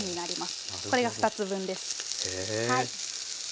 これが２つ分です。